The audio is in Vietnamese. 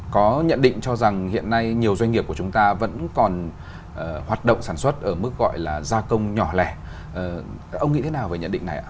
có nhận định cho rằng hiện nay nhiều doanh nghiệp của chúng ta vẫn còn hoạt động sản xuất ở mức gọi là gia công nhỏ lẻ ông nghĩ thế nào về nhận định này ạ